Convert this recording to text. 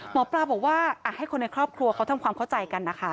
หมอปลาบอกว่าให้คนในครอบครัวเขาทำความเข้าใจกันนะคะ